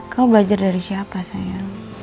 kamu belajar dari siapa sayang